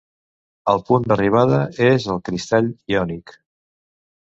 El punt d'arribada és el cristall iònic.